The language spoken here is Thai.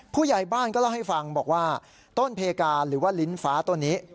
ผู้ใหญ่บ้านก็เล่าให้ฟังบอกว่าต้นเพกาหรือว่าลิ้นฟ้าต้นนี้